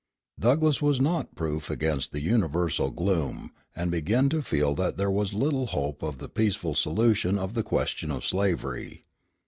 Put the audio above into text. Douglass was not proof against the universal gloom, and began to feel that there was little hope of the peaceful solution of the question of slavery.